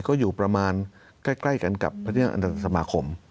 ก็อยู่ประมาณใกล้กันกับพระเจ้าอำราชสมาคม